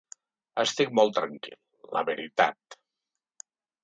Estic molt tranquil, la veritat.